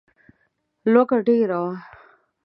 لوږه ډېره وه.